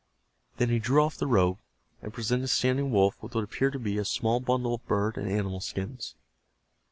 Then he drew off the robe, and presented Standing Wolf with what appeared to be a small bundle of bird and animal skins.